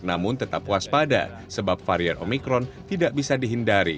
namun tetap puas pada sebab varian omicron tidak bisa dihindari